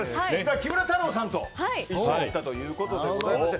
木村太郎さんと一緒だったということでございまして。